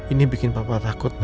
ini bikin papa takut